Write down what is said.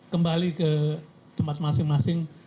kembali ke tempat masing masing